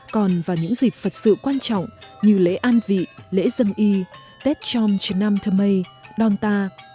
còn vào những dịp vật sự quan trọng như lễ an vị lễ dân y tết chom trần nam thơ mây đòn ta